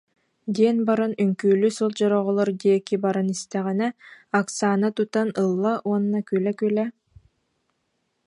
диэн баран үҥкүүлүү сылдьар оҕолор диэки баран истэҕинэ, Оксана тутан ылла уонна күлэ-күлэ: